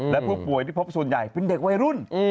และผู้ป่วยที่พบส่วนใหญ่เป็นเด็กวัยรุ่น